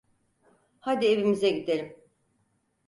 Hadi evimize gidelim.